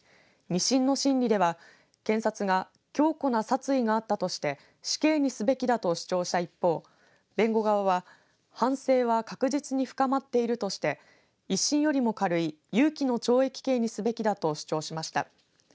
２審の審理では検察が強固な殺意があったとして死刑にすべきだと主張した一方弁護側は反省は確実に深まっているとして１審よりも軽い有期の懲役刑にすべきだと主張しました。